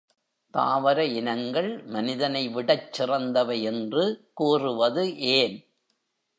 தாவர இனங்கள் மனிதனை விடச் சிறந்தவை என்று கூறுவது ஏன்?